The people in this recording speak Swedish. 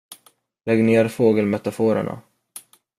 Lägg ner fågelmetaforerna.